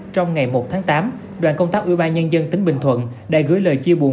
trong ngày một tháng tám đoàn công tác ủy ban nhân dân tỉnh bình thuận đã gửi lời chia buồn